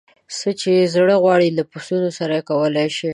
څه یې زړه غواړي له پسونو سره یې کولای شي.